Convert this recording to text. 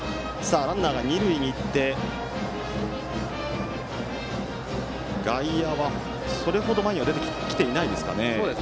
ランナーが二塁に行って、外野はそれほど前には出ていません。